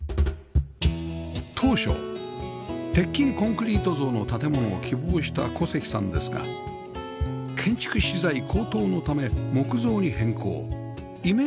当初鉄筋コンクリート造の建物を希望した小関さんですが建築資材高騰のため木造に変更イメージをそのまま